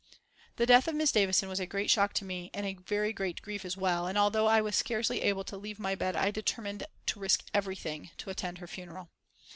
The death of Miss Davison was a great shock to me and a very great grief as well, and although I was scarcely able to leave my bed I determined to risk everything to attend her funeral.